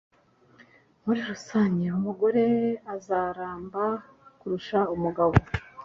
Muri rusange umugore azaramba kurusha umugabo